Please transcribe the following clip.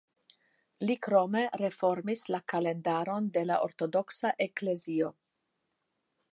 Li krome reformis la kalendaron de la Ortodoksa Eklezio.